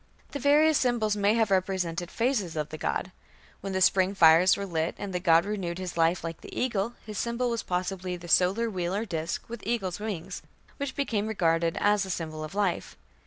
The various symbols may have represented phases of the god. When the spring fires were lit, and the god "renewed his life like the eagle", his symbol was possibly the solar wheel or disk with eagle's wings, which became regarded as a symbol of life.